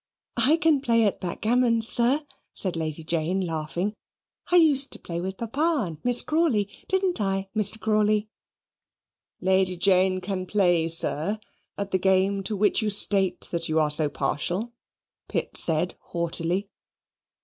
"I can play at backgammon, sir," said Lady Jane, laughing. "I used to play with Papa and Miss Crawley, didn't I, Mr. Crawley?" "Lady Jane can play, sir, at the game to which you state that you are so partial," Pitt said haughtily.